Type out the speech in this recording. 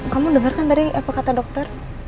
kamu denger kan tadi apa kata dokter